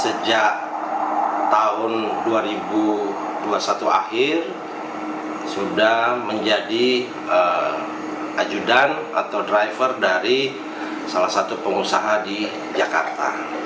sejak tahun dua ribu dua puluh satu akhir sudah menjadi ajudan atau driver dari salah satu pengusaha di jakarta